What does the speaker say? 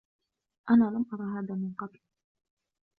أنا لم أر هذا من قبل.